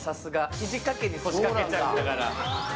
肘掛けに腰掛けちゃったから。